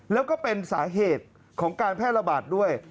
แล้วก็เป็นสาเหตุของการแพร่ระบาดด้วย